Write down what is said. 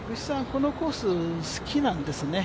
このコース好きなんですね。